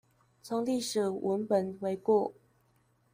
從歷史文本回顧